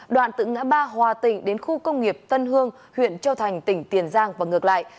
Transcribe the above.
đoạn từ ngã ba hòa tỉnh đến khu công nghiệp tân hương huyện châu thành tỉnh tiền giang và ngược lại